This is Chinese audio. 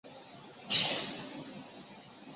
治两感伤寒。